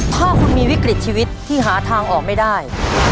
ถ้าคุณมีวิกฤตชีวิตที่หาทางออกไม่ได้